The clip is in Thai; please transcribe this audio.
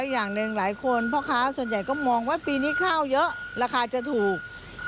อย่างหนึ่งหลายคนพ่อค้าส่วนใหญ่ก็มองว่าปีนี้ข้าวเยอะราคาจะถูก